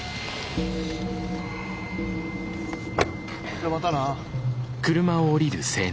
じゃまたな。